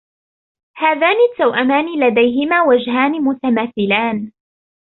هذان التوأمان لديهما وجهان متماثلان.